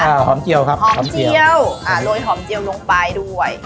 หอมเจียวครับหอมเจียวอ่าโรยหอมเจียวลงไปด้วย